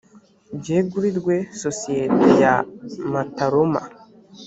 byegurirwe sosiyete ya mataroma